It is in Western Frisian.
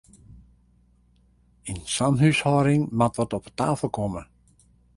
Yn sa'n húshâlding moat wat op 'e tafel komme!